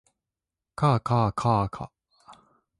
かあかあかあか